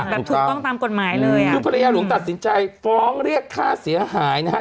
ถูกต้องตามกฎหมายเลยอ่ะคือภรรยาหลวงตัดสินใจฟ้องเรียกค่าเสียหายนะฮะ